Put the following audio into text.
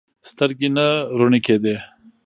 سترګې نه رڼې کېدې.